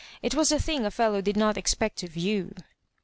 It was a thing a fellow did not expect of you."